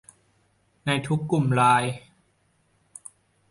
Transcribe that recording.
ในทุกกลุ่มไลน์